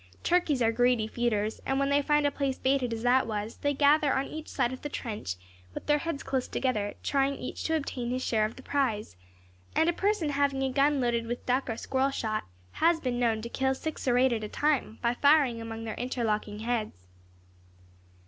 Turkeys are greedy feeders; and when they find a place baited as that was, they gather on each side of the trench, with their heads close together, trying each to obtain his share of the prize; and a person having a gun loaded with duck or squirrel shot, has been known to kill six or eight at a time, by firing among their interlocking heads.